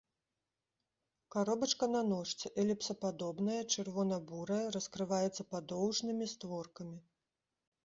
Каробачка на ножцы, эліпсападобная, чырвона-бурая, раскрываецца падоўжнымі створкамі.